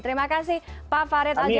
terima kasih pak farid ajud